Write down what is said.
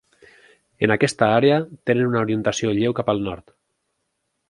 En aquesta àrea, tenen una orientació lleu cap al nord.